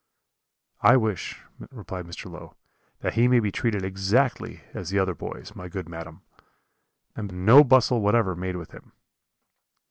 "'I wish,' replied Mr. Low, 'that he may be treated exactly as the other boys, my good madam, and no bustle whatever made with him.'